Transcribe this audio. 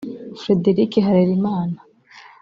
Frederick Harerimana